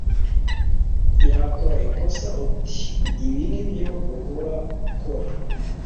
yakora ikosa uti ibi nibyo uhora ukora,